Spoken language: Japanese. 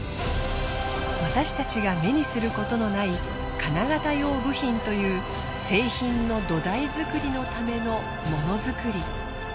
私たちが目にすることのない金型用部品という製品の土台作りのためのモノづくり。